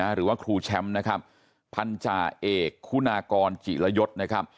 หรือว่าครูแชมป์พัญจาเอกคุณากรจิรยศ